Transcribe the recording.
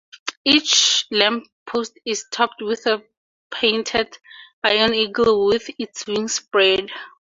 Each lamppost is topped with a painted iron eagle with its wings spread.